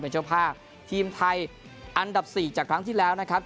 เป็นเจ้าภาพทีมไทยอันดับ๔จากครั้งที่แล้วนะครับ